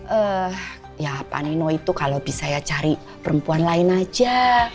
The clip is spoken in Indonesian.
ehm ya panino itu kalau bisa ya cari perempuan lain aja